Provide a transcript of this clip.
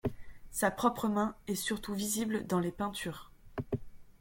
Sa propre main est surtout visible dans les peintures.